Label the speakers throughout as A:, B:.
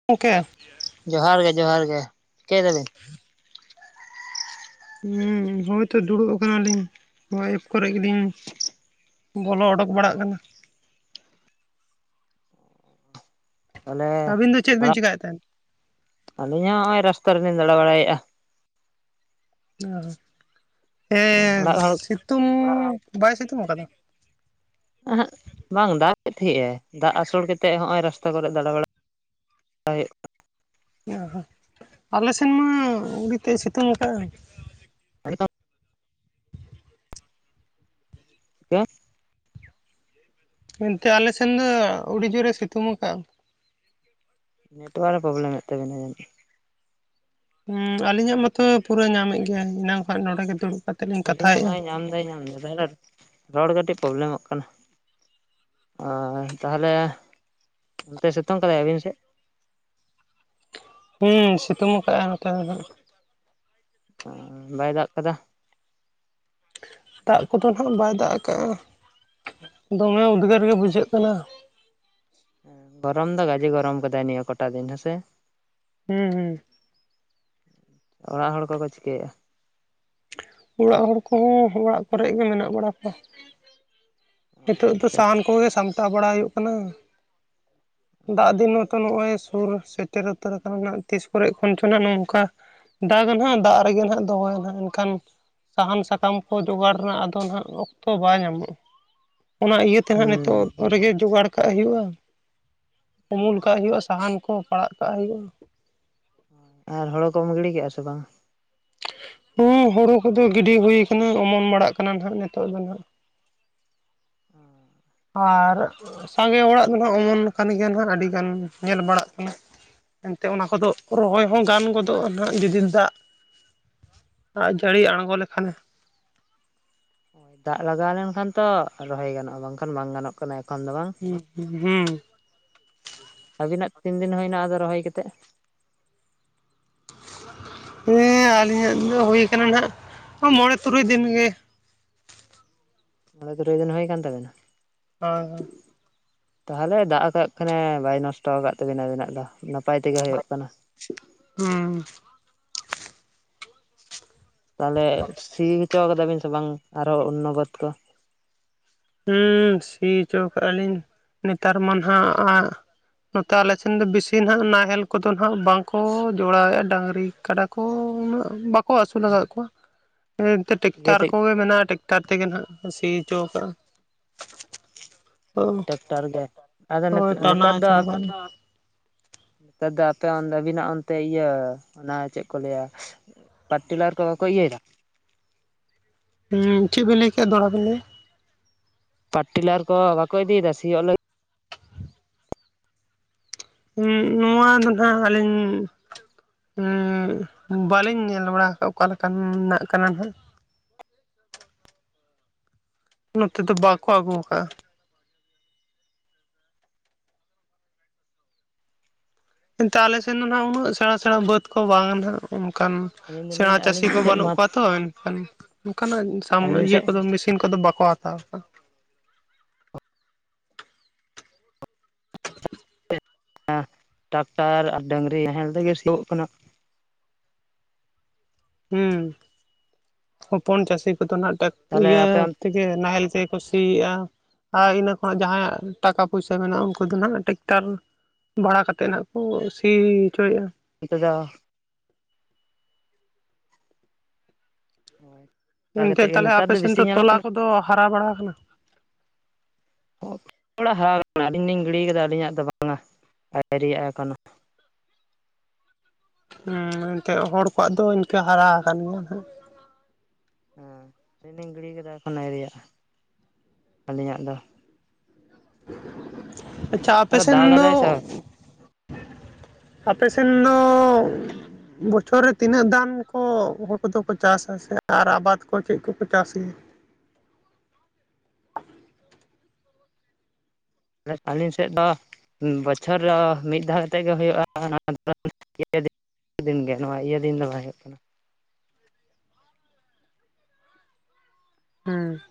A: [unintelligible]
B: ᱡᱚᱦᱟᱨ ᱜᱮ ᱡᱚᱦᱟᱨ ᱜᱮ। ᱪᱤᱠᱟᱹᱭ ᱫᱟᱵᱤᱱ?
A: [inaudible] ᱦᱩᱸᱻ ᱦᱚᱭᱛᱚ ᱫᱩᱲᱩᱵ ᱟᱠᱟᱱᱟ ᱞᱤᱧ, ᱱᱚᱣᱟ [unintelligible] ᱮᱯ ᱠᱚᱨᱮ ᱜᱮᱞᱤᱧ ᱼᱼ ᱵᱚᱞᱚ ᱚᱰᱳᱠ ᱵᱟᱲᱟᱜ ᱠᱟᱱᱟ।
B: ᱛᱟᱦᱟᱞᱮ
A: ᱟᱹᱵᱤᱱ ᱫᱚ ᱪᱮᱫ ᱵᱤᱱ
B: ᱚᱲᱟᱜ
A: ᱪᱮᱠᱟᱭᱮᱫ ᱛᱟᱦᱮᱸᱫ
B: ᱟᱹᱞᱤᱧ ᱦᱚᱸ ᱱᱚᱜᱼᱚᱭ ᱨᱟᱥᱛᱟ ᱨᱮᱞᱤᱧ ᱫᱟᱬᱟ ᱵᱟᱲᱟᱭᱮᱫᱼᱟ।
A: ᱚ ᱦᱮᱸ
B: ᱚᱲᱟᱜ ᱦᱚᱲ
A: ᱥᱤᱛᱩᱝ ᱵᱟᱭ ᱥᱤᱛᱩᱝ ᱟᱠᱟᱫᱟ?
B: ᱚᱦᱚᱸᱜ ᱵᱟᱝ ᱫᱟᱜ ᱛᱟᱦᱮᱸᱜ ᱟᱭ, ᱫᱟᱜ ᱦᱟᱹᱥᱩᱲ ᱠᱟᱛᱮᱫ ᱦᱚᱸᱜᱼᱚᱭ ᱨᱟᱥᱛᱟ ᱠᱚᱨᱮ ᱫᱟᱬᱟ ᱵᱟᱲᱟᱭ ᱼᱼ [unintelligible]
A: ᱚ ᱦᱚᱸ ᱟᱞᱮ ᱥᱮᱱ ᱢᱟ ᱩᱰᱤ ᱛᱮᱫ ᱮ ᱥᱤᱛᱩᱝ ᱟᱠᱟᱜᱼᱟ।
B: [inaudible] [unintelligible]
A: ᱢᱮᱱᱛᱮ ᱟᱞᱮ ᱥᱮᱱ ᱫᱚ ᱟᱹᱰᱤ ᱡᱩᱨᱮ ᱥᱤᱛᱩᱝ ᱟᱠᱟᱜᱼᱟ।
B: ᱱᱮᱴᱣᱟᱨ ᱨᱮ ᱯᱨᱚᱵᱞᱮᱢᱮᱫ ᱛᱟᱵᱮᱱᱟ ᱡᱟᱹᱱᱤᱡ?
A: ᱦᱩᱸ ᱟᱞᱤᱧᱟᱜ ᱢᱟᱛᱚ ᱯᱩᱨᱟᱹ ᱧᱟᱢᱮᱫ ᱜᱮᱭᱟᱭ, ᱮᱱᱟᱝ ᱠᱷᱚᱱ ᱱᱚᱰᱮ ᱜᱮ ᱫᱩᱲᱩᱵ ᱠᱟ
B: ᱟᱞᱤᱧᱟᱜ ᱦᱚᱸᱭ ᱧᱟᱢᱫᱟᱭ ᱧᱟᱢᱫᱟ, ᱛᱟᱦᱚᱞᱮ ᱨᱚᱲ ᱠᱟᱹᱴᱤᱡ ᱯᱨᱚᱵᱞᱮᱢᱚᱜ ᱠᱟᱱᱟ। ᱚᱻ ᱛᱟᱦᱟᱞᱮ, ᱚᱱᱛᱮ ᱥᱤᱛᱩᱝ ᱠᱟᱫᱟᱭ ᱟᱹᱵᱤᱱ ᱥᱮᱫ?
A: ᱦᱩᱸ ᱥᱤᱛᱩᱝ ᱟᱠᱟᱜᱼᱟᱭ ᱱᱚᱛᱮ ᱫᱚ ᱱᱷᱟᱜ।
B: ᱚᱻ, ᱵᱟᱭ ᱫᱟᱜ ᱟᱠᱟᱫᱟ?
A: ᱫᱟᱜ ᱠᱚᱫᱚ ᱱᱷᱟᱜ ᱵᱟᱭ ᱫᱟᱜ ᱟᱠᱟᱜᱼᱟ, ᱫᱚᱢᱮ ᱩᱫᱽᱜᱟᱹᱨ ᱜᱮ ᱵᱩᱡᱷᱟᱹᱜ ᱠᱟᱱᱟ।
B: ᱜᱚᱨᱚᱢ ᱫᱚ ᱜᱟᱡᱮ ᱜᱚᱨᱚᱢ ᱟᱠᱟᱫᱟᱭ ᱱᱤᱭᱟᱹ ᱠᱚᱴᱟ ᱫᱤᱱ। ᱦᱮᱸᱥᱮ?
A: ᱦᱩᱸ ᱦᱩᱸ ᱾
B: ᱚᱲᱟᱜ ᱦᱚᱲ ᱠᱚᱠᱚ ᱪᱤᱠᱟᱹᱭᱮᱜᱼᱟ?
A: ᱚᱲᱟᱜ ᱦᱚᱲ ᱠᱚᱦᱚᱸ ᱚᱲᱟᱜ ᱠᱚᱨᱮ ᱜᱮ ᱢᱮᱱᱟᱜ ᱵᱟᱲᱟ ᱠᱚᱣᱟ। ᱱᱤᱛᱚᱜ ᱫᱚ
B: ᱟᱪᱪᱷᱟ
A: ᱥᱟᱦᱟᱱ ᱠᱚᱜᱮ ᱥᱟᱢᱴᱟᱣ ᱵᱟᱲᱟ ᱦᱩᱭᱩᱜ ᱠᱟᱱᱟ।
B: [inaudible]
A: ᱫᱟᱜ ᱫᱤᱱ ᱦᱚᱸᱛᱚ ᱱᱚᱜᱼᱚᱭ ᱥᱩᱨ ᱥᱮᱴᱮᱨ ᱩᱛᱟᱹᱨ ᱟᱠᱟᱱᱟ ᱱᱷᱟᱜ, ᱛᱤᱥ ᱠᱚᱨᱮ ᱠᱷᱚᱱ ᱪᱚ ᱱᱷᱟᱜ ᱱᱚᱝᱠᱟ ᱫᱟᱜ ᱟᱱᱷᱟᱜ ᱫᱟᱜ ᱨᱮᱜᱮ ᱱᱷᱟᱜ ᱫᱚᱦᱚᱭᱟ ᱱᱷᱟᱜ ᱮᱱᱠᱷᱟᱱ ᱥᱟᱦᱟᱱ ᱥᱟᱠᱟᱢ ᱠᱚ ᱡᱚᱜᱟᱲ ᱨᱮᱱᱟᱜ ᱟᱫᱚ ᱱᱷᱟᱜ ᱚᱠᱛᱚ ᱵᱟᱭ ᱧᱟᱢᱚᱜᱼᱟ। ᱚᱱᱟ ᱤᱭᱟᱹ ᱛᱮ ᱦᱟᱸᱜ
B: ᱦᱩᱸ
A: ᱱᱤᱛᱚᱜ ᱨᱮᱜᱮ ᱡᱚᱜᱟᱲ ᱠᱟᱜ ᱦᱩᱭᱩᱜᱼᱟ ᱩᱢᱩᱞ ᱠᱟᱜ ᱦᱩᱭᱩᱜᱼᱟ ᱥᱟᱦᱟᱱ ᱠᱚ ᱯᱟᱲᱟᱜ ᱠᱟᱜ ᱦᱩᱭᱩᱜᱼᱟ ᱾
B: ᱟᱨ ᱦᱳᱲᱳ ᱠᱚᱢ ᱜᱤᱲᱤ ᱠᱮᱜᱼᱟ ᱥᱮ ᱵᱟᱝ?
A: ᱦᱩᱸ ᱦᱳᱲᱳ ᱠᱚᱫᱚ ᱜᱤᱰᱤ ᱦᱩᱭ ᱟᱠᱟᱱᱟ ᱚᱢᱚᱱ ᱵᱟᱲᱟᱜ ᱠᱟᱱᱟ ᱱᱷᱟᱜ ᱱᱤᱛᱚᱜ ᱫᱚ ᱱᱷᱟᱜ ᱾
B: ᱛᱟᱦᱚᱞᱮ
A: ᱟᱨ ᱥᱟᱸᱜᱮ ᱦᱚᱲᱟᱜ ᱫᱚ ᱱᱷᱟᱜ ᱚᱢᱚᱱ ᱟᱠᱟᱱ ᱜᱮᱭᱟ ᱱᱷᱟᱜ ᱟᱹᱰᱤᱜᱟᱱ ᱧᱮᱞ ᱵᱟᱲᱟᱜ ᱠᱟᱱᱟ ᱾ ᱮᱱᱛᱮ ᱚᱱᱟ ᱠᱚᱫᱚ ᱨᱚᱦᱚᱭ ᱦᱚᱸ ᱜᱟᱱ ᱜᱚᱫᱚᱜᱼᱟ ᱱᱷᱟᱜ ᱡᱩᱫᱤ ᱫᱟᱜ ᱫᱟᱜ ᱡᱟᱹᱲᱤ ᱟᱬᱜᱚ ᱞᱮᱠᱷᱟᱱᱮ
B: ᱱᱚᱜᱼᱚᱭ ᱫᱟᱜ ᱞᱟᱜᱟᱣ ᱞᱮᱱᱠᱷᱟᱱ ᱛᱚ ᱨᱚᱦᱚᱭ ᱜᱟᱱᱚᱜᱼᱟ ᱵᱟᱝᱠᱷᱟᱱ ᱵᱟᱝ ᱜᱟᱱᱚᱜ ᱠᱟᱱᱟ ᱮᱠᱷᱚᱱ ᱫᱚ ᱵᱟᱝ?
A: ᱦᱩᱸ ᱦᱩᱸ ᱦᱩᱸ ᱾
B: ᱟᱹᱵᱤᱱᱟᱜ ᱛᱤᱱ ᱫᱤᱱ ᱦᱩᱭ ᱮᱱᱟ ᱟᱫᱚ ᱨᱚᱦᱚᱭ ᱠᱟᱛᱮᱫ?
A: ᱦᱮᱸ ᱟᱹᱞᱤᱧᱟᱜ ᱫᱚ ᱦᱩᱭ ᱠᱟᱱᱟ ᱱᱷᱟᱜ ᱢᱚᱬᱮ ᱛᱩᱨᱩᱭ ᱫᱤᱱ ᱜᱮ
B: ᱢᱚᱬᱮ ᱛᱩᱨᱩᱭ ᱫᱤᱱ ᱦᱩᱭ ᱠᱟᱱ ᱛᱟᱵᱮᱱᱟ ᱾
A: ᱦᱳᱭ ᱦᱳᱭ ᱾
B: ᱛᱟᱦᱚᱞᱮ ᱫᱟᱜ ᱟᱠᱟᱫ ᱠᱷᱟᱱᱮ ᱵᱟᱭ ᱱᱚᱥᱴᱚ ᱟᱠᱟᱫ ᱛᱟᱹᱵᱤᱱᱟ ᱟᱹᱵᱤᱱᱟᱜ ᱫᱚ ᱱᱟᱯᱟᱭ ᱛᱮᱜᱮ ᱦᱩᱭᱩᱜ ᱠᱟᱱᱟ ᱾
A: ᱦᱩᱸᱻ
B: ᱛᱟᱦᱚᱞᱮ ᱥᱤ ᱦᱚᱪᱚ ᱠᱟᱫᱟ ᱵᱤᱱ ᱥᱮ ᱵᱟᱝ ᱟᱨᱦᱚᱸ ᱚᱱᱱᱚ ᱵᱟᱹᱫᱽ ᱠᱚ?
A: ᱦᱮᱸ ᱥᱤ ᱦᱚᱪᱚ ᱠᱟᱜᱼᱟ ᱞᱤᱧ ᱱᱮᱛᱟᱨ ᱢᱟ ᱱᱷᱟᱜ ᱱᱚᱛᱮ ᱟᱞᱮ ᱥᱮᱱ ᱫᱚ ᱵᱮᱥᱤ ᱱᱷᱟᱜ ᱱᱟᱦᱮᱞ ᱠᱚᱫᱚ ᱱᱷᱟᱜ ᱵᱟᱝᱠᱚ ᱡᱚᱲᱟᱣᱮᱫᱼᱟ ᱰᱟᱝᱨᱤ ᱠᱟᱰᱟ ᱠᱚ ᱩᱱᱟᱹᱜ ᱵᱟᱠᱚ ᱟᱹᱥᱩᱞ ᱟᱠᱟᱫ ᱠᱚᱣᱟ ᱮᱻ ᱴᱮᱠᱴᱟᱨ
B: ᱤᱭᱟᱹᱛᱮ
A: ᱠᱚᱜᱮ ᱢᱮᱱᱟᱜᱼᱟ ᱴᱮᱠᱴᱟᱨ ᱛᱮᱜᱮ ᱱᱷᱟᱜ ᱥᱤ ᱦᱚᱪᱚ ᱟᱠᱟᱜᱼᱟ ᱾
B: ᱦᱳᱭ ᱴᱨᱟᱠᱴᱚᱨ ᱜᱮ ᱟᱫᱚ
A: ᱦᱳᱭ
B: ᱱᱤᱛᱚ
A: ᱴᱟᱱᱟᱣ
B: ᱱᱮᱛᱟᱨ ᱫᱚ
A: ᱦᱚᱪᱚ ᱠᱟᱜᱼᱟ ᱞᱤᱧ
B: ᱱᱮᱛᱟᱨ ᱫᱚ ᱟᱯᱮ ᱚᱱ ᱟᱹᱵᱤᱱᱟᱜ ᱚᱱᱛᱮ ᱤᱭᱟᱹ ᱚᱱᱟ ᱪᱮᱫ ᱠᱚ ᱞᱟᱹᱭᱟ ᱯᱟᱨᱴᱤᱞᱟᱨ ᱠᱚ ᱵᱟᱠᱚ ᱤᱭᱟᱹ ᱮᱫᱟ
A: ᱦᱩᱸ ᱪᱮᱫ ᱵᱤᱱ ᱞᱟᱹᱭ ᱠᱮᱜᱼᱟ ᱫᱚᱦᱲᱟ ᱵᱮᱱ ᱞᱟᱹᱭᱟ ᱾
B: ᱯᱟᱴᱴᱤᱞᱟᱨ ᱠᱚ ᱵᱟᱠᱚ ᱤᱫᱤᱭᱮᱫᱟ ᱥᱤᱭᱚᱜ ᱞᱟᱹᱜᱤᱫ ᱾
A: ᱦᱩᱸ ᱱᱚᱣᱟ ᱫᱚ ᱱᱷᱟᱜ ᱟᱹᱞᱤᱧ ᱩᱸᱻ ᱵᱟᱹᱞᱤᱧ ᱧᱮᱞ ᱵᱟᱲᱟ ᱦᱟᱠᱟᱜ-ᱟ ᱚᱠᱟᱞᱮᱠᱟᱱᱟᱜ ᱠᱟᱱᱟ ᱱᱷᱟᱜ ᱾ ᱱᱚᱛᱮ ᱫᱚ ᱵᱟᱠᱚ ᱟᱹᱜᱩ ᱣᱟᱠᱟᱜ-ᱟ ᱾ ᱮᱱᱛᱮ ᱟᱞᱮ ᱥᱮᱱ ᱫᱚ ᱱᱟᱦᱟᱜ ᱩᱱᱟᱹᱜ ᱥᱮᱬᱟ ᱥᱮᱬᱟ ᱵᱟᱹᱫᱽ ᱠᱚ ᱵᱟᱝ ᱱᱟᱦᱟᱜ ᱚᱱᱠᱟᱱ
B: ᱟᱹᱞᱤᱧ ᱫᱚᱞᱤᱧ
A: ᱥᱮᱬᱟ
B: ᱞᱟᱹᱭᱮᱫᱼᱟ
A: ᱪᱟᱹᱥᱤ
B: ᱟᱹᱞᱤᱧ
A: ᱠᱚ
B: ᱥᱮᱫ ᱢᱟ
A: ᱵᱟᱹᱱᱩᱜ ᱠᱚᱣᱟ ᱛᱚ, ᱮᱱᱠᱷᱟᱱ ᱚᱱᱠᱟᱱᱟᱜ ᱥᱟᱢ
B: ᱟᱹᱞᱤᱧ
A: ᱤᱭᱟᱹ
B: ᱥᱮᱫ
A: ᱠᱚᱫᱚ ᱢᱮᱥᱤᱱ ᱠᱚᱫᱚ ᱵᱟᱠᱚ ᱦᱟᱛᱟᱣᱟ᱾
B: [unintelligible] ᱴᱟᱠᱴᱟᱨ ᱟᱨ ᱰᱟᱹᱝᱨᱤ ᱱᱟᱦᱮᱞ ᱛᱮᱜᱮ ᱥᱤᱭᱳᱜ ᱠᱟᱱᱟ᱾
A: ᱦᱩᱸ ᱦᱚᱯᱚᱱ ᱪᱟᱹᱥᱤ ᱠᱚᱫᱚ ᱱᱟᱦᱟᱜ ᱴᱟᱠ
B: ᱛᱟᱦᱚᱞᱮ
A: ᱤᱭᱟᱹᱻ
B: ᱟᱯᱮ
A: ᱤᱭᱟᱹ ᱱᱟᱦᱮᱞ ᱛᱮᱜᱮ ᱠᱚ ᱥᱤᱭᱮᱜᱼᱟ᱾ ᱟᱨ ᱤᱱᱟᱹ ᱠᱷᱚᱱᱟᱜ ᱡᱟᱦᱟᱸᱭᱟᱜ ᱴᱟᱠᱟ ᱯᱩᱭᱥᱟ ᱢᱮᱱᱟᱜᱼᱟ, ᱩᱱᱠᱩ ᱫᱚ ᱱᱟᱦᱟᱜ ᱴᱮᱠᱴᱟᱨ ᱵᱷᱟᱲᱟ ᱠᱟᱛᱮᱫ ᱱᱟᱦᱟᱜ ᱠᱚ ᱥᱤ ᱦᱚᱪᱚᱭᱮᱫᱼᱟ᱾
B: ᱦᱤᱸᱛᱳᱜ ᱫᱚ [inaudible] ᱠᱟᱛᱮᱫ
A: ᱚᱱᱛᱮ
B: ᱜᱮ
A: ᱛᱟᱦᱚᱞᱮ
B: ᱱᱮᱛᱟᱨ
A: ᱟᱯᱮ ᱥᱮᱱ
B: ᱵᱮᱥᱤ
A: ᱫᱚ
B: ᱧᱮᱞᱚᱜ
A: ᱛᱚᱞᱟ
B: ᱠᱟᱱᱟ
A: ᱠᱚᱫᱚ ᱦᱟᱨᱟ ᱵᱟᱲᱟᱣ ᱠᱟᱱᱟ?
B: ᱦᱚᱲᱟᱜ ᱦᱟᱨᱟᱣ ᱠᱟᱱᱟ, ᱟᱹᱞᱤᱧ ᱞᱤᱧ ᱜᱤᱲᱤᱭ ᱠᱟᱫᱟ ᱟᱹᱞᱤᱧᱟᱜ ᱫᱚ ᱵᱟᱝᱟ᱾ ᱟᱹᱣᱨᱤᱭᱟᱜ-ᱟ ᱮᱠᱷᱳᱱᱳ᱾
A: ᱦᱩᱸ ᱮᱱᱛᱮᱫ ᱦᱚᱲ ᱠᱚᱣᱟᱜ ᱫᱚ ᱤᱱᱠᱟᱹ ᱦᱟᱨᱟ ᱟᱠᱟᱱ ᱜᱮᱭᱟ ᱦᱟᱸᱜ᱾
B: ᱦᱮᱸ ᱟᱹᱞᱤᱧ ᱞᱤᱧ ᱜᱤᱲᱤᱭ ᱠᱟᱫᱟ ᱮᱠᱷᱚᱱᱳ ᱟᱣᱨᱤᱭᱟᱜ-ᱟ, ᱟᱹᱞᱤᱧᱟᱜ ᱫᱚ᱾
A: ᱟᱪᱪᱷᱟ ᱟᱯᱮ
B: ᱟᱫᱚ
A: ᱥᱮᱱ ᱫᱚ
B: ᱫᱟᱜᱟᱫᱟᱭ ᱥᱮ [inaudible]
A: ᱟᱯᱮ ᱥᱮᱱ ᱫᱚᱻ ᱵᱚᱪᱷᱚᱨ ᱨᱮ ᱛᱤᱱᱟᱹᱜ ᱫᱟᱱ ᱠᱚ ᱦᱳ ᱠᱚᱫᱚ ᱠᱚ ᱪᱟᱥᱟ ᱥᱮ ᱟᱨ ᱟᱵᱟᱫᱽ ᱠᱚ ᱪᱮᱫ ᱠᱚᱠᱚ ᱪᱟᱥ ᱜᱮᱭᱟ?
B: ᱟᱹᱞᱤᱧ ᱥᱮᱫ ᱫᱚ ᱵᱚᱪᱷᱚᱨ ᱨᱮ ᱢᱤᱫ ᱫᱷᱟᱣ ᱠᱟᱛᱮᱜ ᱜᱮ ᱦᱳᱭᱳᱜᱼᱟ, [unintelligible] ᱫᱤᱱ ᱜᱮ ᱱᱚᱣᱟ ᱤᱭᱟᱹ ᱫᱤᱱ ᱫᱚ ᱵᱟᱭ ᱦᱳᱭᱳᱜ ᱛᱟᱦᱮᱱᱟ᱾
A: ᱦᱩᱸ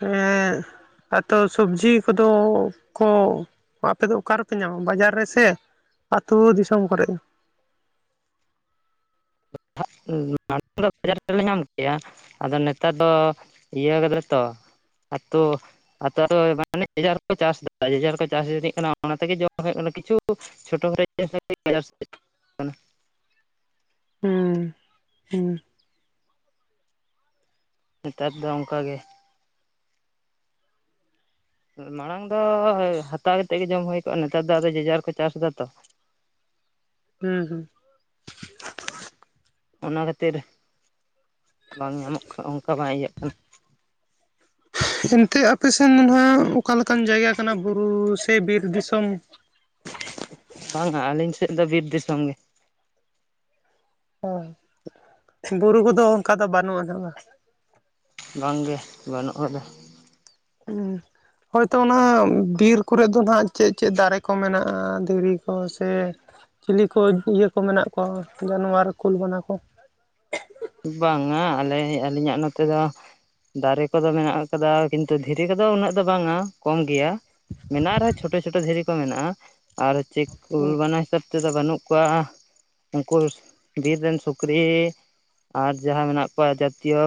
A: ᱮᱸᱻᱫ ᱟ ᱛᱚ ᱥᱚᱵᱽᱡᱤ ᱠᱚᱫᱚ ᱠᱚ ᱟᱯᱮ ᱫᱚ ᱚᱠᱟ ᱨᱮᱯᱮ ᱧᱟᱢᱟ ᱵᱟᱡᱟᱨ ᱨᱮ ᱥᱮ ᱢᱮ ᱟᱹᱛᱩ ᱫᱤᱥᱚᱢ ᱠᱚᱨᱮᱫ?
B: [unintelligible] ᱵᱟᱡᱟᱨ ᱨᱮᱞᱮ ᱧᱟᱢ ᱠᱮᱭᱟ, ᱟᱫᱚ ᱱᱮᱛᱟᱨ ᱫᱚ ᱤᱭᱟᱹ ᱠᱟᱫᱟᱞᱮ ᱛᱚ ᱟᱛᱳ ᱟᱛᱳ ᱟᱛᱳ ᱢᱟᱱᱮ ᱡᱮ ᱡᱟᱨ ᱠᱚ ᱪᱟᱥ ᱫᱟ ᱡᱮ ᱡᱟᱨ ᱠᱚ ᱪᱟᱥ [unintelligible] ᱠᱟᱱᱟ ᱚᱱᱟ ᱛᱮᱜᱮ ᱡᱚᱢ ᱦᱩᱭᱩᱜ ᱠᱟᱱᱟ᱾ ᱠᱤᱪᱷᱩ ᱪᱷᱳᱴᱳ [unintelligible] ᱵᱟᱡᱟᱨ ᱥᱮᱡ
A: ᱦᱩᱸ ᱦᱩᱸ᱾
B: ᱱᱮᱛᱟᱨ ᱫᱚ ᱚᱝᱠᱟ ᱜᱮ᱾ ᱢᱟᱬᱟᱝ ᱫᱚ ᱦᱟᱛᱟᱣ ᱠᱟᱛᱮᱫ ᱜᱮ ᱡᱚᱢ ᱦᱳᱭ ᱠᱚᱜᱼᱟ, ᱱᱮᱛᱟᱨ ᱫᱚ ᱟᱫᱚ ᱡᱮᱡᱟᱨ ᱠᱚ ᱪᱟᱥ ᱫᱟ ᱛᱚ᱾
A: ᱦᱩᱸ ᱦᱩᱸ᱾
B: ᱚᱱᱟ ᱠᱷᱟᱹᱛᱤᱨ ᱵᱟᱝ ᱧᱟᱢᱚᱜ ᱠᱟᱱᱟ, ᱚᱱᱠᱟ ᱵᱟᱝ ᱤᱭᱟᱹᱜ ᱠᱟᱱᱟ᱾
A: ᱮᱱᱛᱮ ᱟᱯᱮ ᱥᱮᱱ ᱢᱚᱱᱮ ᱦᱚᱭ ᱚᱠᱟ ᱞᱮᱠᱟᱱ ᱡᱟᱭᱜᱟ ᱠᱟᱱᱟ ᱵᱩᱨᱩ ᱥᱮ ᱵᱤᱨ ᱫᱤᱥᱚᱢ?
B: ᱵᱟᱝᱟ ᱟᱹᱞᱤᱧ ᱥᱮᱫ ᱫᱚ ᱵᱤᱨ ᱫᱤᱥᱚᱢ ᱜᱮ᱾
A: ᱚ ᱵᱩᱨᱩ ᱠᱚᱫᱚ ᱚᱝᱠᱟ ᱫᱚ ᱵᱟᱹᱱᱩᱜ ᱟᱱᱟᱜ ᱵᱟ᱾
B: ᱵᱟᱝ ᱜᱮ ᱵᱟᱹᱱᱩᱜᱼᱟ ᱟᱫᱚ᱾
A: ᱩᱸ᱾ ᱦᱚᱭᱛᱚ ᱚᱱᱟ ᱵᱤᱨ ᱠᱚᱨᱮ ᱫᱚ ᱱᱟᱦᱟᱜ ᱪᱮᱫ ᱪᱮᱫ ᱫᱟᱨᱮ ᱠᱚ ᱢᱮᱱᱟᱜᱼᱟ? ᱫᱷᱤᱨᱤ ᱠᱚ ᱥᱮ ᱪᱤᱞᱤ ᱠᱚ ᱤᱭᱟᱹ ᱠᱚ ᱢᱮᱱᱟᱜ ᱠᱚᱣᱟ ᱡᱟᱱᱣᱟᱨ ᱠᱩᱞ, ᱵᱟᱱᱟ ᱠᱚ?
B: ᱵᱟᱝᱟ ᱟᱞᱮ ᱟᱹᱞᱤᱧᱟᱜ ᱱᱚᱛᱮ ᱫᱚ ᱫᱟᱨᱮ ᱠᱚᱫᱚ ᱢᱮᱱᱟᱜ ᱟᱠᱟᱫᱟ, ᱠᱤᱱᱛᱩ ᱫᱷᱤᱨᱤ ᱠᱚᱫᱚ ᱩᱱᱟᱹᱜ ᱫᱚ ᱵᱟᱝᱟ ᱠᱚᱢ ᱜᱮᱭᱟ᱾ ᱢᱮᱱᱟᱜ ᱨᱮᱦᱚᱸ ᱪᱷᱳᱴᱳ ᱪᱷᱳᱴᱳ ᱫᱷᱤᱨᱤ ᱠᱚ ᱢᱮᱱᱟᱜᱼᱟ, ᱟᱨ ᱪᱩᱠ ᱠᱩᱞ
A: ᱦᱩᱸ
B: ᱵᱟᱱᱟ ᱦᱤᱥᱟᱹᱵ ᱛᱮᱫᱚ ᱵᱟᱹᱱᱩᱜ ᱠᱚᱣᱟ, ᱩᱱᱠᱩ ᱵᱤᱨ ᱨᱮᱱ ᱥᱩᱠᱨᱤ ᱟᱨ ᱡᱟᱦᱟᱸ ᱢᱮᱱᱟᱜ ᱠᱚᱣᱟ ᱡᱟᱛᱤᱭᱚ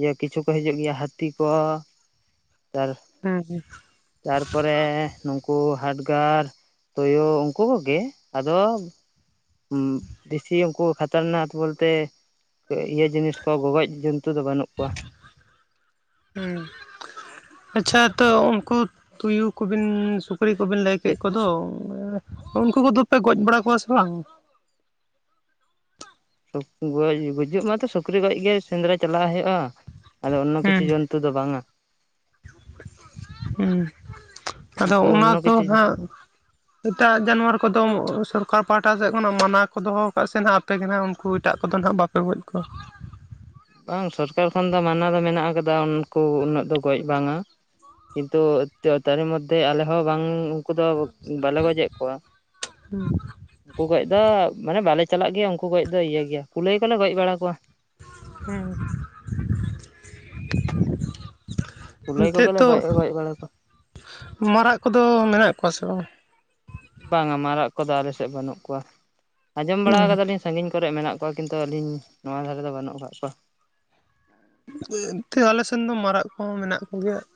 B: ᱤᱭᱟᱹ ᱠᱤᱪᱷᱩ ᱠᱚ ᱦᱤᱡᱩᱜ ᱜᱮᱭᱟ ᱦᱟᱹᱛᱤ ᱠᱚ, [unintelligible]
A: ᱦᱩᱸ ᱦᱩᱸ
B: ᱛᱟᱨᱯᱚᱨᱮ ᱱᱩᱠᱩ ᱦᱟᱰᱜᱟᱨ, ᱛᱚᱭᱳ ᱩᱱᱠᱩ ᱠᱚᱜᱮ ᱟᱫᱚ ᱫᱮᱥᱤ ᱩᱱᱠᱩ ᱠᱷᱟᱛᱟᱨᱱᱟᱠ ᱵᱚᱞᱛᱮ ᱤᱭᱟᱹ ᱡᱤᱱᱤᱥ ᱠᱚ ᱜᱚᱜᱚᱡ ᱡᱚᱱᱛᱩ ᱫᱚ ᱵᱟᱹᱱᱩᱜ ᱠᱚᱣᱟ᱾
A: ᱩᱸ ᱟᱪᱪᱷᱟ ᱛᱚ ᱩᱝᱠᱩ ᱛᱩᱭᱩ ᱠᱚᱵᱤᱱ ᱥᱩᱠᱨᱤ ᱠᱚᱵᱮᱱ ᱞᱟᱹᱭ ᱠᱮᱫ ᱠᱚᱫᱚ ᱩᱱᱠᱩ ᱠᱚᱫᱚᱯᱮ ᱜᱚᱡ ᱵᱟᱲᱟ ᱠᱚᱣᱟ ᱥᱮ ᱵᱟᱝ?
B: ᱜᱚᱡ ᱜᱩᱡᱩᱜ ᱢᱟᱛᱚ ᱥᱩᱠᱨᱤ ᱜᱚᱡ ᱜᱮ ᱥᱮᱸᱫᱽᱨᱟ ᱪᱟᱞᱟᱜ ᱦᱳᱭᱳᱜᱼᱟ᱾ ᱟᱫᱚ ᱚᱱᱱᱚ ᱠᱤᱪᱷᱩ ᱡᱚᱱᱛᱩ ᱫᱚ ᱵᱟᱝᱟ ᱾
A: ᱩᱸ ᱟᱫᱚ
B: ᱩᱱᱠᱩ
A: ᱚᱱᱟ
B: ᱚᱱᱱᱚ
A: ᱫᱚ
B: ᱠᱤᱪᱷᱩ
A: ᱦᱟᱸᱜ ᱮᱴᱟᱜ ᱡᱟᱱᱣᱟᱨ ᱠᱚᱫᱚ ᱥᱚᱨᱠᱟᱨ ᱯᱟᱦᱴᱟ ᱥᱮᱫ ᱠᱷᱚᱱᱟᱜ ᱢᱟᱱᱟ ᱠᱚ ᱫᱚᱦᱚ ᱟᱠᱟᱫ ᱥᱮ ᱱᱟᱜ [unintelligible] ᱠᱟᱱᱟ ᱩᱱᱠᱩ ᱮᱴᱟᱜ ᱠᱚᱫᱚ ᱱᱟᱦᱟᱜ ᱵᱟᱯᱮ ᱜᱚᱡ ᱠᱚᱣᱟ
B: ᱵᱟᱝ ᱥᱚᱨᱠᱟᱨ ᱠᱷᱚᱱ ᱫᱚ ᱢᱟᱱᱟ ᱫᱚ ᱢᱮᱱᱟᱜ ᱟᱠᱟᱫᱟ ᱩᱱᱠᱩ ᱩᱱᱟᱹᱜ ᱫᱚ ᱜᱚᱡ ᱵᱟᱝᱟ, ᱠᱤᱱᱛᱩ ᱛᱟᱨᱮ ᱢᱚᱫᱽᱫᱷᱮ ᱟᱞᱮ ᱦᱚᱸ ᱵᱟᱝ ᱩᱱᱠᱩ ᱫᱚ ᱵᱟᱞᱮ ᱜᱚᱡᱮᱜ ᱠᱚᱣᱟ᱾ ᱩᱱᱠᱩ ᱜᱚᱡ ᱫᱚ ᱢᱟᱱᱮ ᱵᱟᱞᱮ ᱪᱟᱞᱟᱜ ᱜᱮᱭᱟ ᱩᱱᱠᱩ ᱜᱚᱡ ᱫᱚ ᱤᱭᱟᱹ ᱜᱮᱭᱟ ᱠᱩᱞᱟᱹᱭ ᱠᱚᱞᱮ ᱜᱚᱡ ᱵᱟᱲᱟ ᱠᱚᱣᱟ᱾
A: [unintelligible]
B: ᱠᱩᱞᱟᱹᱭ
A: ᱱᱮᱛᱚᱡ
B: ᱠᱚᱜᱮᱞᱮ
A: ᱛᱚ
B: ᱜᱚᱡ ᱵᱟᱲᱟ ᱠᱚᱣᱟ
A: ᱢᱟᱨᱟᱜ ᱠᱚᱫᱚ ᱢᱮᱱᱟᱜ ᱠᱚᱣᱟ ᱥᱮ ᱵᱟᱝᱟ?
B: ᱵᱟᱝᱟ ᱢᱟᱨᱟᱜ ᱠᱚᱫᱚ ᱟᱞᱮ ᱥᱮᱫ ᱵᱟᱹᱱᱩᱜ ᱠᱚᱣᱟ ᱟᱸᱡᱚᱢ ᱵᱟᱲᱟ
A: ᱵᱟᱝ?
B: ᱠᱟᱫᱟᱞᱤᱧ ᱥᱟᱺᱜᱤᱧ ᱠᱚᱨᱮᱫ ᱢᱮᱱᱟᱜ ᱠᱚᱣᱟ ᱠᱤᱱᱛᱩ ᱟᱹᱞᱤᱧ ᱱᱚᱣᱟ ᱫᱷᱟᱨᱮ ᱫᱚ ᱵᱟᱹᱱᱩᱜ ᱠᱟᱫ ᱠᱚᱣᱟ᱾
A: ᱛᱮ ᱟᱞᱮ ᱥᱮᱱ ᱫᱚ ᱢᱟᱨᱟᱜ ᱠᱚᱦᱚᱸ ᱢᱮᱱᱟᱜ ᱠᱚᱜᱮᱭᱟ ᱾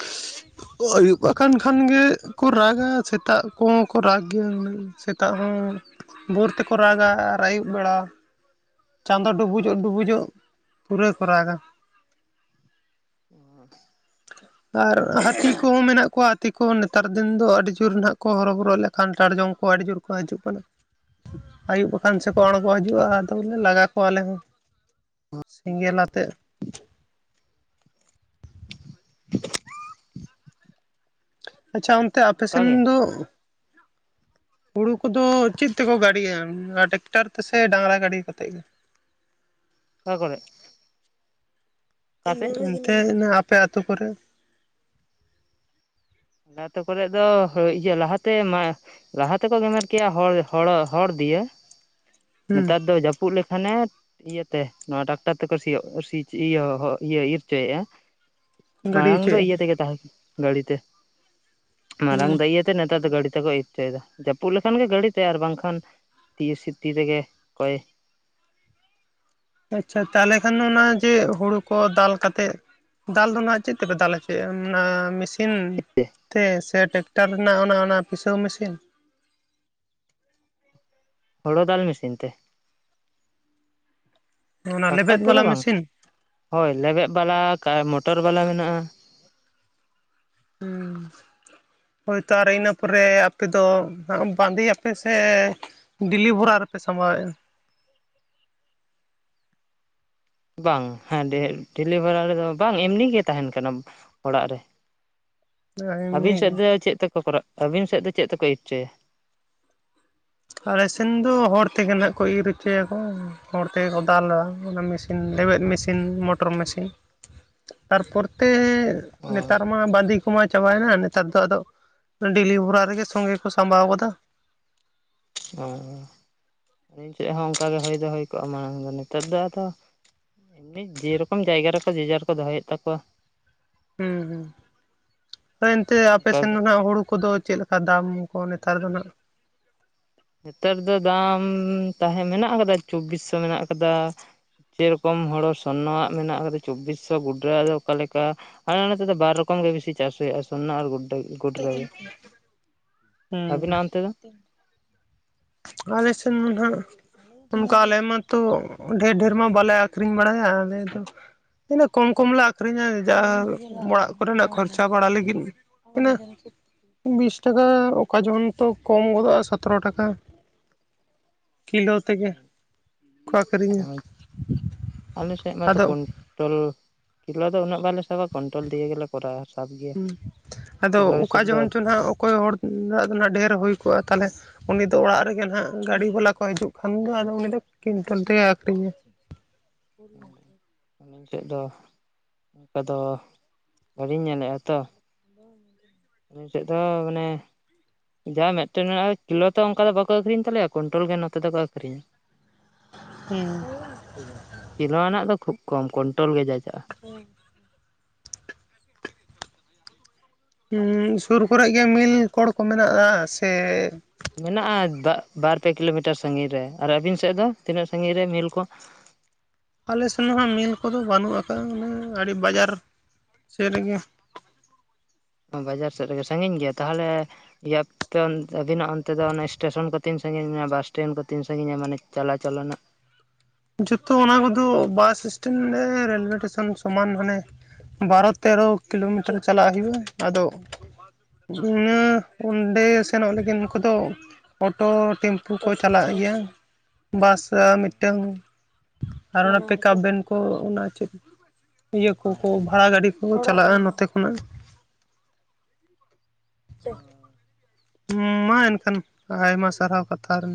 B: [unintelligible]
A: ᱟᱹᱭᱩᱵ ᱟᱠᱟᱱ ᱠᱷᱟᱱ ᱜᱮ ᱠᱚ ᱨᱟᱜᱟ ᱥᱮᱛᱟᱜ ᱠᱚᱦᱚᱸ ᱠᱚ ᱨᱟᱜᱽ ᱜᱮᱭᱟ ᱥᱮᱛᱟᱜ ᱦᱚᱸ, ᱵᱷᱳᱨ ᱛᱮᱠᱚ ᱨᱟᱜᱟ ᱟᱨ ᱟᱹᱭᱩᱵ ᱵᱮᱲᱟ᱾ ᱪᱟᱸᱫᱚ ᱰᱩᱵᱩᱡᱚᱜ ᱰᱩᱵᱩᱡᱚᱜ ᱯᱩᱨᱟᱹ ᱠᱚ ᱨᱟᱜᱟ,
B: [unintelligible]
A: ᱟᱨ ᱦᱟᱹᱛᱤ ᱠᱚᱦᱚᱸ ᱢᱮᱱᱟᱜ ᱠᱚᱣᱟ ᱦᱟᱹᱛᱤ ᱠᱚ ᱱᱮᱛᱟᱨ ᱫᱤᱱ ᱫᱚ ᱟᱹᱰᱤ ᱡᱳᱨ ᱱᱟᱸᱜ ᱠᱚ ᱦᱚᱨᱚ ᱵᱚᱨᱚᱜ ᱟᱞᱮ ᱠᱷᱟᱱᱴᱟᱲ ᱡᱚᱢ ᱠᱚ ᱟᱹᱰᱤ ᱡᱳᱨ ᱠᱚ ᱠᱚ ᱦᱤᱡᱩᱜ ᱠᱟᱱᱟ ᱾
B: [unintelligible]
A: ᱟᱹᱭᱩᱵ ᱟᱠᱟᱱ ᱥᱮᱠᱚ ᱟᱬᱜᱚ ᱦᱤᱡᱩᱜᱼᱟ, ᱟᱫᱚᱞᱮ ᱞᱟᱜᱟ ᱠᱚᱣᱟ ᱟᱞᱮ ᱦᱚᱸ᱾ ᱥᱮᱸᱜᱮᱞ ᱟᱛᱮᱫ ᱟᱪᱪᱷᱟ ᱚᱱᱛᱮ ᱟᱯᱮ ᱥᱮᱱ
B: ᱚᱱᱠᱟᱜᱮ
A: ᱫᱚ
B: [unintelligible]
A: ᱦᱩᱲᱩ ᱠᱚᱫᱚ ᱪᱮᱫ ᱛᱮᱠᱚ ᱜᱟᱹᱲᱤᱭᱟ ᱴᱮᱠᱴᱟᱨ ᱛᱮᱥᱮ ᱰᱟᱝᱨᱟ ᱜᱟᱹᱰᱤ ᱠᱟᱛᱮᱫ ᱜᱮ?
B: ᱚᱠᱟ ᱠᱚᱨᱮ ᱚᱠᱟ ᱥᱮᱫ
A: ᱮᱱᱛᱮ ᱚᱱᱟ ᱟᱯᱮ ᱟᱹᱛᱩ ᱠᱚᱨᱮ?
B: ᱟᱞᱮ ᱟᱹᱛᱩ ᱠᱚᱨᱮᱫ ᱫᱚ ᱤᱭᱟᱹ ᱞᱟᱦᱟᱛᱮ ᱢᱟ ᱞᱟᱦᱟ ᱛᱮᱠᱚ ᱜᱮᱢᱮᱨ ᱠᱮᱜᱼᱟ ᱦᱚᱲ ᱦᱚᱲ ᱦᱚᱲ ᱫᱤᱭᱟᱹ
A: ᱦᱩᱸ
B: ᱱᱮᱛᱟᱨ ᱫᱚ ᱡᱟᱹᱯᱩᱫ ᱯᱩᱫ ᱞᱮᱠᱷᱟᱱᱮ ᱤᱭᱟᱹᱛᱮ ᱱᱚᱣᱟ ᱴᱟᱠᱴᱟᱨ ᱛᱮᱠᱚ ᱥᱤᱭᱳᱜ ᱤᱭᱟᱹ ᱤᱭᱟᱹ ᱤᱨ ᱦᱚᱪᱚᱭᱮᱫᱼᱟ ᱾
A: ᱜᱟᱹᱰᱤ
B: ᱢᱟᱲᱟᱝ ᱫᱚ ᱤᱭᱟᱹ
A: ᱦᱚᱪᱚᱭᱮᱫᱼᱟ
B: ᱛᱮᱜᱮ ᱛᱟᱦᱮᱸ ᱠᱟᱱᱟ ᱜᱟᱹᱲᱤ ᱛᱮ᱾ ᱢᱟᱲᱟᱝ
A: ᱦᱩᱸ
B: ᱫᱚ ᱤᱭᱟᱹᱛᱮ ᱱᱮᱛᱟᱨ ᱫᱚ ᱜᱟᱹᱲᱤ ᱛᱮᱠᱚ ᱤᱨ ᱦᱚᱪᱚᱭᱮᱫᱟ ᱡᱟᱹᱯᱩᱫ ᱞᱮᱠᱷᱟᱱ ᱜᱮ ᱜᱟᱹᱲᱤ ᱛᱮ ᱟᱨ ᱵᱟᱝᱠᱷᱟᱱ ᱛᱤᱭᱟᱹ ᱥᱤᱛᱤ ᱨᱮᱜᱮ ᱚᱠᱚᱭ
A: ᱟᱪᱪᱷᱟ ᱛᱟᱦᱚᱞᱮ ᱠᱷᱟᱱ ᱚᱱᱟ ᱡᱮ ᱦᱩᱲᱩ ᱠᱚ ᱫᱟᱞ ᱠᱟᱛᱮᱫ ᱫᱟᱞ ᱫᱚ ᱱᱟᱦᱟᱜ ᱪᱮᱫ ᱛᱮᱯᱮ ᱫᱟᱞ ᱦᱚᱪᱚᱭᱟ ᱚᱱᱟ ᱢᱮᱥᱤ ᱤᱱ ᱛᱮ ᱥᱮ ᱴᱮᱠᱴᱟᱨ ᱨᱮᱱᱟᱜ ᱚᱱᱟ ᱚᱱᱟ ᱯᱤᱥᱟᱹᱣ ᱢᱮᱥᱤᱱ?
B: ᱦᱳᱲᱳ ᱫᱟᱞ ᱢᱮᱥᱤᱱ ᱛᱮ ᱾
A: ᱚᱱᱟ
B: ᱴᱨᱟᱠᱴᱟᱨ
A: ᱞᱮᱵᱮᱫ
B: ᱛᱮᱫᱚ
A: ᱵᱟᱞᱟ
B: ᱵᱟᱝ?
A: ᱢᱮᱥᱤᱱ?
B: [inaudible] ᱦᱳᱭ ᱞᱮᱵᱮᱫ ᱵᱟᱞᱟ ᱢᱚᱴᱚᱨ ᱵᱟᱞᱟ ᱢᱮᱱᱟᱜᱼᱟ ᱾
A: ᱦᱩᱸ ᱾ ᱦᱳᱭᱛᱚ ᱟᱨ ᱤᱱᱟᱹ ᱯᱚᱨᱮ ᱟᱯᱮ ᱫᱚ ᱵᱟᱸᱫᱮᱭᱟᱯᱮ ᱥᱮ ᱰᱮᱞᱤ ᱵᱷᱚᱨᱟ ᱨᱮᱯᱮ ᱥᱟᱢᱵᱟᱣᱮᱫᱼᱟ?
B: ᱵᱟᱝ ᱦᱮᱸ ᱰᱮᱞᱤᱵᱷᱟᱨᱟ ᱨᱮ ᱫᱚ ᱵᱟᱝ ᱮᱢᱱᱤ ᱜᱮ ᱛᱟᱦᱮᱱ ᱠᱟᱱᱟ ᱚᱲᱟᱜ ᱨᱮ ᱾ [inaudible]
A: ᱮᱢᱱᱤ
B: ᱟᱹᱵᱤᱱ ᱥᱮᱫ
A: ᱜᱮ?
B: ᱫᱚ ᱪᱮᱫ ᱛᱮᱠᱚ ᱠᱚᱨᱟ ᱟᱹᱵᱤᱱ ᱥᱮᱫ ᱫᱚ ᱪᱮᱫ ᱛᱮᱠᱚ ᱤᱨ ᱚᱪᱚᱭᱟ?
A: ᱟᱞᱮ ᱥᱮᱱ ᱫᱚ ᱦᱚᱲ ᱛᱮᱜᱮ ᱱᱟᱦᱟᱜ ᱠᱚ ᱤᱨ ᱦᱚᱪᱚᱭᱟᱠᱚ ᱦᱚᱲ ᱛᱮᱜᱮ ᱠᱚ ᱫᱟᱞᱟ ᱚᱱᱟ ᱢᱮᱥ ᱤᱱ ᱞᱮᱵᱮᱫ ᱢᱮᱥᱤᱱ ᱢᱚᱴᱚᱨ ᱢᱮᱥᱤᱱ ᱾
B: [inaudible]
A: ᱛᱟᱨᱯᱚᱨ ᱛᱮ
B: ᱚ
A: ᱱᱮᱛᱟᱨ ᱢ ᱢᱟ ᱵᱟᱸᱫᱤ ᱠᱚᱢᱟ ᱪᱟᱵᱟᱭᱮᱱᱟ ᱱᱮᱛᱟᱨ ᱫᱚ ᱟᱫᱚ ᱰᱤᱞᱤ ᱵᱷᱚᱨᱟ ᱨᱮᱜᱮ ᱥᱚᱸᱜᱮ ᱠᱚ ᱥᱟᱸᱵᱟᱣ ᱜᱚᱫᱟ ᱾
B: ᱚ ᱾ [inaudible] ᱟᱹᱞᱤᱧ ᱥᱮᱫ ᱦᱚᱸ ᱚᱱᱠᱟᱜᱮ ᱦᱩᱭ ᱫᱚ ᱦᱩᱭ ᱠᱚᱜᱼᱟ ᱢᱟᱲᱟᱝ ᱫᱚ, ᱱᱮᱛᱟᱨ ᱫᱚ ᱟᱫᱚ ᱢᱤᱫ ᱡᱮᱨᱚᱠᱚᱢ ᱡᱟᱭᱜᱟ ᱨᱮᱠᱚ ᱡᱮᱡᱟᱨ ᱠᱚ ᱫᱚᱦᱚᱭᱮᱫ ᱛᱟᱠᱚᱣᱟ ᱾
A: ᱦᱩᱸ ᱦᱩᱸ ᱾ [inaudible] ᱦᱳᱭ ᱮᱱᱛᱮ ᱟᱯᱮ
B: ᱚᱱᱠᱟ
A: ᱥᱮᱱ
B: ᱜᱮ
A: ᱫᱚ ᱱᱟᱜ ᱦᱩᱲᱩ ᱠᱚᱫᱚ ᱪᱮᱫ ᱠᱟ ᱫᱟᱢ ᱠᱚ ᱱᱮᱛᱟᱨ ᱫᱚ ᱱᱟᱸᱜ?
B: ᱱᱮᱛᱟᱨ ᱫᱚ ᱫᱟᱢ ᱛᱟᱦᱮᱸ ᱢᱮᱱᱟᱜ ᱟᱠᱟᱫᱟ ᱪᱚᱵᱵᱤᱥ ᱥᱚ ᱢᱮᱱᱟᱜ ᱟᱠᱟᱫᱟ ᱾ ᱥᱮ ᱨᱚᱠᱚᱢ ᱦᱳᱲᱳ ᱥᱚᱨᱱᱚᱣᱟᱜ ᱢᱮᱱᱟᱜ ᱟᱠᱟᱫᱟ ᱪᱚᱵᱵᱤᱥ ᱥᱚ ᱜᱩᱰᱨᱟᱹᱣᱟᱜ ᱫᱚ ᱚᱠᱟ ᱞᱮᱠᱟ ᱾ ᱟᱞᱮ ᱱᱚᱛᱮ ᱫᱚ ᱵᱟᱨ ᱨᱚᱠᱚᱢ ᱜᱮ ᱵᱤᱥᱤ ᱪᱟᱥ ᱦᱩᱭᱩᱜᱼᱟ ᱥᱚᱨᱱᱚ ᱟᱨ ᱜᱩᱰ ᱜᱩᱰᱨᱟᱹ ᱜᱮ ᱾ [inaudible]
A: ᱦᱩᱸ
B: ᱟᱹᱵᱤᱱᱟᱜ ᱚᱱᱛᱮ ᱫᱚ?
A: ᱟᱞᱮ ᱥᱮᱱ ᱫᱚ ᱱᱟᱦᱟᱜ ᱚᱱᱠᱟ ᱟᱞᱮ ᱢᱟᱛᱚ ᱰᱷᱮᱨ ᱰᱷᱮᱨ ᱢᱟ ᱵᱟᱞᱮ ᱟᱠᱷᱨᱤᱧ ᱵᱟᱲᱟᱭᱟ ᱟᱞᱮ ᱫᱚ ᱤᱱᱟᱹ ᱠᱚᱢ ᱠᱚᱢᱞᱮ ᱟᱠᱷᱨᱤᱧᱟ ᱡᱟ ᱚᱲᱟᱜ ᱠᱚᱨᱮᱱᱟᱜ ᱠᱷᱚᱨᱪᱟ ᱵᱟᱲᱟ ᱞᱟᱹᱜᱤᱫ ᱾ ᱤᱱᱟᱹ ᱵᱤᱥ ᱴᱟᱠᱟ ᱚᱠᱟ ᱡᱚᱠᱷᱚᱱ ᱛᱚ ᱠᱚᱢ ᱜᱚᱫᱚᱜᱼᱟ ᱥᱟᱛᱨᱚ ᱴᱟᱠᱟ ᱾ ᱠᱤᱞᱳ ᱛᱮᱜᱮ [inaudible] ᱠᱚ ᱟᱹᱠᱷᱨᱤᱧᱟ [inaudible] ᱟᱫᱚ
B: ᱴᱚᱞ ᱠᱤᱞᱳ ᱫᱚ ᱩᱱᱟᱹᱜ ᱵᱟᱞᱮ ᱥᱟᱵᱟ ᱠᱚᱱᱴᱳᱞ ᱛᱮᱜᱮ ᱜᱮᱞᱮ ᱠᱚᱨᱟᱣᱟ ᱥᱟᱵ ᱜᱮᱭᱟ
A: ᱦᱮᱸ ᱾ [inaudible] ᱟᱫᱚ
B: ᱠᱤᱞᱳ
A: ᱚᱠᱟ
B: ᱦᱤᱥᱟᱹᱵ ᱫᱚ
A: ᱡᱚᱦᱚᱱ ᱪᱚ ᱱᱟᱦᱟᱜ ᱚᱠᱚᱭ ᱦᱚᱲᱟᱜ ᱫᱚ ᱱᱟᱜ ᱰᱷᱮᱹᱨ ᱦᱩᱭᱠᱚᱜᱼᱟ ᱛᱟᱞᱦᱮ ᱩᱱᱤ ᱫᱚ ᱚᱲᱟᱜ ᱨᱮᱜᱮ ᱦᱟᱸᱜ ᱜᱟᱹᱰᱤ ᱵᱟᱞᱟ ᱠᱚ ᱦᱤᱡᱩᱜ ᱠᱷᱟᱱ ᱫᱚ ᱟᱫᱚ ᱩᱱᱤ ᱫᱚ [unintelligible] ᱛᱮᱜᱮ ᱟᱹᱠᱷᱨᱤᱧᱟ ᱾ [inaudible]
B: ᱟᱹᱞᱤᱧ ᱴᱷᱮᱡ ᱫᱚ [inaudible] ᱟᱫᱚ [inaudible] ᱵᱟᱞᱤᱧ ᱧᱮᱞᱮᱫᱼᱟ ᱛᱚ ᱾
A: [inaudible]
B: ᱟᱹᱞᱤᱧ ᱥᱮᱫ ᱫᱚ ᱢᱟᱱᱮ ᱡᱟᱦᱟᱸ ᱢᱤᱫᱴᱮᱱ ᱢᱮᱱᱟᱜᱼᱟ ᱠᱤᱞᱳ ᱛᱚ ᱚᱱᱠᱟ ᱫᱚ ᱵᱟᱠᱚ ᱟᱹᱷᱨᱤᱧ ᱛᱟᱞᱮᱭᱟ ᱠᱩᱭᱱᱴᱟᱞ ᱜᱮ ᱱᱚᱛᱮ ᱫᱚᱠᱚ ᱟᱠᱷᱨᱤᱧᱟ ᱾ [inaudible]
A: ᱦᱩᱸ ᱾
B: ᱠᱤᱞᱳ ᱟᱱᱟᱜ ᱫᱚ ᱠᱷᱩᱵ ᱠᱚᱢ ᱠᱚᱱᱴᱳᱞ ᱜᱮ ᱡᱟ ᱪᱟᱞᱟᱜᱼᱟ ᱾
A: ᱦᱩᱸᱻ ᱥᱩᱨ ᱠᱚᱨᱮ ᱜᱮ ᱢᱤᱞ ᱠᱚᱬ ᱠᱚ ᱢᱮᱱᱟᱜᱼᱟ ᱥᱮ
B: ᱢᱮᱱᱟᱜᱼᱟ ᱵᱟ ᱵᱟᱨ ᱯᱮ ᱠᱤᱞᱳᱢᱤᱴᱟᱨ ᱥᱟᱺᱜᱤᱧ ᱨᱮ ᱾ ᱟᱨ ᱟᱹᱵᱤᱱ ᱥᱮᱫ ᱫᱚ ᱛᱤᱱᱟᱹᱜ ᱥᱟᱺᱜᱤᱧ ᱨᱮ ᱢᱤᱞ ᱠᱚ?
A: ᱟᱞᱮ ᱥᱮᱱ ᱦᱚᱸ ᱢᱤᱞ ᱠᱚᱫᱚ ᱵᱟᱹᱱᱩᱜ ᱟᱠᱟᱫᱟ ᱢᱟᱱᱮ ᱟᱹᱰᱤ ᱵᱟᱡᱟᱨ [inaudible] ᱥᱮᱫ ᱨᱮᱜᱮ ᱾
B: ᱵᱟᱡᱟᱨ ᱥᱮᱫ ᱨᱮᱜᱮ ᱥᱟᱺᱜᱤᱧ ᱜᱮᱭᱟ, ᱛᱟᱦᱚᱞᱮ ᱤᱭᱟᱹ ᱟᱵᱤᱱᱟᱜ ᱚᱱᱛᱮ ᱫᱚ ᱚᱱᱟ ᱮᱸ ᱥᱴᱮᱥᱚᱱ ᱠᱚ ᱛᱤᱱ ᱥᱟᱺᱜᱤᱧ ᱢᱮᱱᱟᱜᱼᱟ᱾ ᱵᱟᱥᱴᱮᱱᱰ ᱠᱚ ᱛᱤᱱ ᱥᱟᱺᱜᱤᱧᱟ ᱢᱟᱱᱮ ᱪᱟᱞᱟ, ᱪᱟᱞᱟ ᱨᱮᱱᱟᱜ
A: ᱡᱷᱚᱛᱚ ᱚᱱᱟ ᱠᱚᱼᱫᱚ ᱵᱟᱥ ᱥᱴᱮᱱᱰᱸ ᱨᱮᱞᱳᱭᱮ ᱥᱴᱮᱥᱚᱱ ᱥᱚᱢᱟᱱ ᱦᱟᱱᱮ ᱵᱟᱨᱚ ᱛᱮᱨᱚ ᱠᱤᱞᱳᱢᱤᱴᱟᱨ ᱪᱟᱞᱟ-ᱜ ᱦᱩᱭᱩᱜᱼᱟ ᱾ ᱟᱫᱚ ᱤᱱᱟ ᱚᱸᱰᱮ ᱥᱮᱱᱚ-ᱜ ᱞᱟᱹᱜᱤᱫ, ᱱᱩᱠᱩ ᱫᱚ ᱚᱴᱳ ᱴᱮᱢᱯᱩ ᱠᱚ ᱪᱟᱞᱟ-ᱜ ᱜᱮᱭᱟ ᱾ᱵᱟᱥ ᱢᱤᱫᱴᱟᱹᱝ ᱟᱨ ᱚᱱᱟ ᱯᱮᱠᱟᱯ ᱵᱷᱽᱮᱱ ᱠᱚ, ᱚᱱᱟ ᱪᱮᱫ ᱤᱭᱟᱹ ᱠᱚᱼᱠᱚ ᱵᱷᱽᱟᱲᱟ ᱜᱟᱹᱰᱤ ᱠᱚ-ᱠᱚ ᱪᱟᱞᱟᱜᱼᱟ ᱾ ᱱᱚᱛᱮ ᱠᱷᱚᱱᱟᱜ ᱩᱸ ᱢᱟ ᱮᱱᱠᱷᱟᱱ ᱟᱭᱢᱟ ᱥᱟᱨᱦᱟᱹᱣ, ᱠᱟᱛᱷᱟ ᱨᱮᱱ